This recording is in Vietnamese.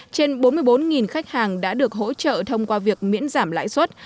trên bốn mươi bốn khách hàng đã được hỗ trợ thông qua việc miễn giảm lãi suất